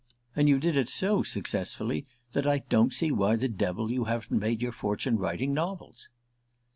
And you did it so successfully that I don't see why the devil you haven't made your fortune writing novels!"